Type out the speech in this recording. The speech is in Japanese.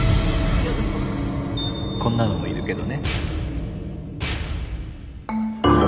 こんなのもいるけどね。